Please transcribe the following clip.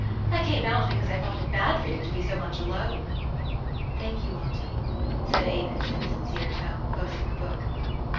I came out because I thought it bad for you to be so much alone." " Thank you, auntie," said Avis in a sincere tone, closing her book.